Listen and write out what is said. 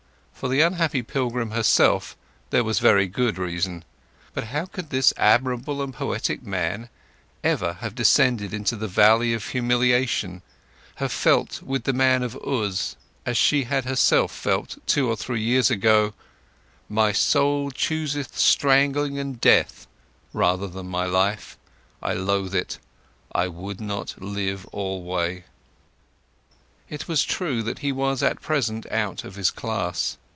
For the unhappy pilgrim herself there was very good reason. But how could this admirable and poetic man ever have descended into the Valley of Humiliation, have felt with the man of Uz—as she herself had felt two or three years ago—"My soul chooseth strangling and death rather than my life. I loathe it; I would not live alway." It was true that he was at present out of his class.